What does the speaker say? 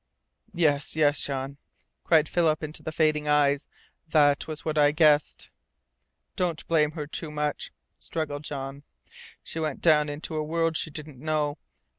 "Yes, yes, Jean!" cried Philip into the fading eyes. "That was what I guessed!" "Don't blame her too much," struggled Jean. "She went down into a world she didn't know.